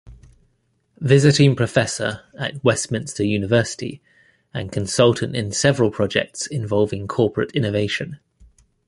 Visiting Professor at Westminster University and consultant in several projects involving corporate innovation.